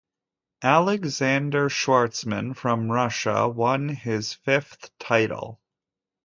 Alexander Schwarzman from Russia won his fifth title.